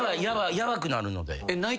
ヤバくなるので。